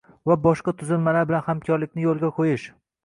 va boshqa tuzilmalar bilan hamkorlikni yo‘lga qo‘yish;